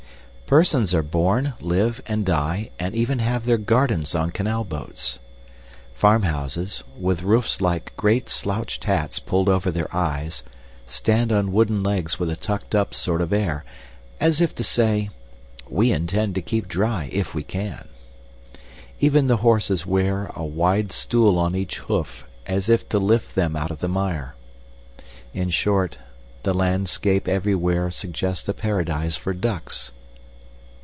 Persons are born, live, and die, and even have their gardens on canal boats. Farmhouses, with roofs like great slouched hats pulled over their eyes, stand on wooden legs with a tucked up sort of air, as if to say, "We intend to keep dry if we can." Even the horses wear a wide stool on each hoof as if to lift them out of the mire. In short, the landscape everywhere suggests a paradise for ducks.